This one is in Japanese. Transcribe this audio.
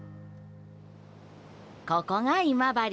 ここが今治。